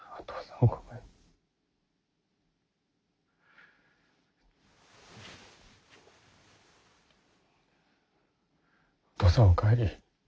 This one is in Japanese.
お父さんお帰り。